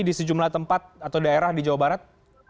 di sejumlah tempat atau daerah di jawa barat